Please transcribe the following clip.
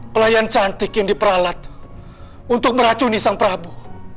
pelayan cantik yang diperalat untuk meracuni sang prabu